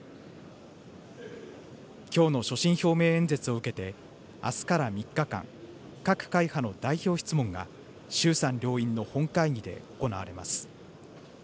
きょうの所信表明演説を受けて、あすから３日間、各会派の代表質問が、衆参両院の本会議で行われます。